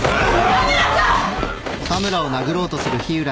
田村さん！